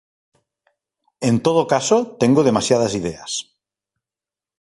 En todo caso, tengo demasiadas ideas.